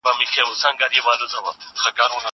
دا پاکوالی له هغه ضروري دی!!